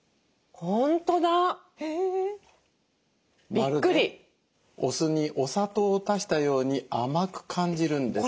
まるでお酢にお砂糖を足したように甘く感じるんです。